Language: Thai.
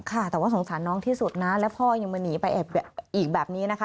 ค่ะแต่ว่าสงสารน้องที่สุดนะและพ่อยังมาหนีไปอีกแบบนี้นะคะ